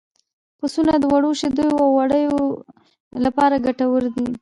پسونه د وړو شیدو او وړیو لپاره ګټور دي.